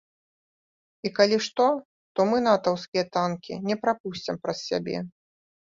І калі што, то мы натаўскія танкі не прапусцім праз сябе.